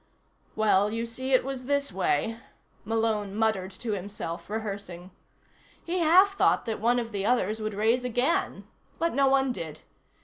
"Well, you see, it was this way," Malone muttered to himself, rehearsing. He half thought that one of the others would raise again, but no one did.